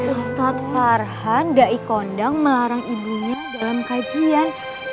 ustadz farhan dai kondang melarang ibunya dalam kajian